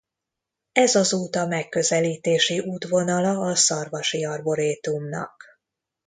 Ez az út a megközelítési útvonala a Szarvasi Arborétumnak.